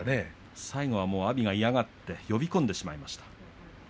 最後は阿炎が嫌がって呼び込んでしまいました。